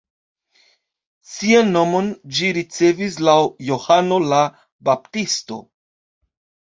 Sian nomon ĝi ricevis laŭ Johano la Baptisto.